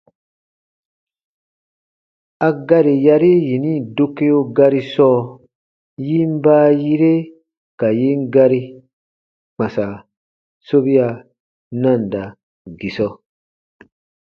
A gari yari yini dokeo gari sɔɔ, yin baayire ka yin gari: kpãsa- sobia- nanda-gisɔ.